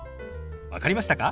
分かりましたか？